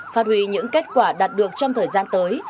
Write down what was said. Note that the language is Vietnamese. phát huy những kết quả đạt được trong thời gian tới